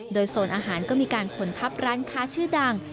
โดยโซนอาหารก็มีการขนทับร้านค้าชื่อดัง